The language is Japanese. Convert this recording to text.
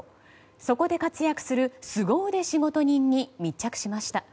そこで活躍するスゴ腕仕事人に密着しました。